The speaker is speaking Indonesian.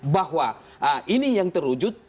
bahwa ini yang terujut